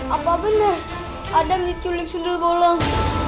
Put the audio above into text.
apa benar adam diculik sundel bolong